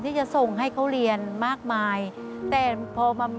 เราไม่มีเงินทองที่จะส่งให้เขาเรียนมากมาย